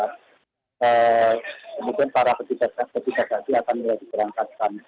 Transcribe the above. kemudian para petisajah petisajah akan diberangkatkan